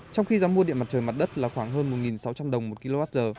trong khi giá mua điện mặt trời mặt đất là khoảng hơn một sáu trăm linh đồng một kwh